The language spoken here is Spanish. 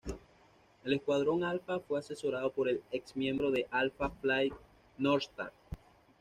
El Escuadrón Alfa fue asesorado por el ex miembro de Alpha Flight, Northstar.